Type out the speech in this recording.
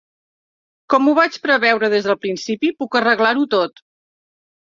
Com ho vaig preveure des del principi, puc arreglar-ho tot.